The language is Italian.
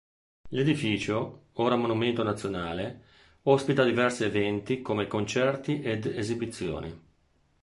L'edificio, ora monumento nazionale, ospita diversi eventi come concerti ed esibizioni.